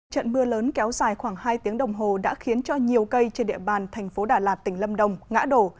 trận mưa lớn kéo dài khoảng hai tiếng đồng hồ đã khiến cho nhiều cây trên địa bàn thành phố đà lạt tỉnh lâm đồng ngã đổ